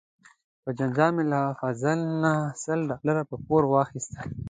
په جنجال مې له فضل نه سل ډالره په پور واخیستل.